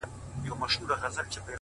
ځان یې خپل دئ نور د هر چا دښمنان.!